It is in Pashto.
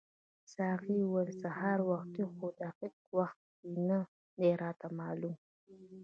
ساقي وویل سهار وختي خو دقیق وخت یې نه دی راته معلوم.